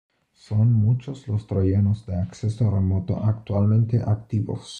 Son muchos los troyanos de acceso remoto actualmente activos.